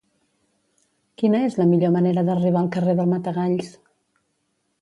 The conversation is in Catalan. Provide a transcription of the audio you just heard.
Quina és la millor manera d'arribar al carrer del Matagalls?